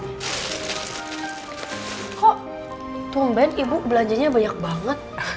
kok tumben ibu belanjanya banyak banget